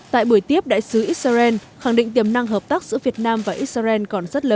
tại buổi tiếp đại sứ israel khẳng định tiềm năng hợp tác giữa việt nam và israel còn rất lớn